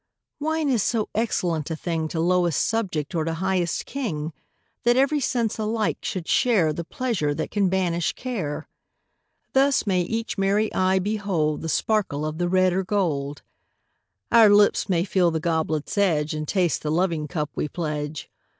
Wine is so excellent a thing To lowest subject, or to highest king, That every sense alike should share The pleasure that can banish care. Thus may each merry eye behold The sparkle of the red or gold. Our lips may feel the goblet's edge And taste the loving cup we pledge.